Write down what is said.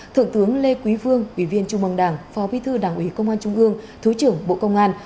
thượng tướng lê quý vương ủy viên trung mương đảng phó bí thư đảng ủy công an trung ương thứ trưởng bộ công an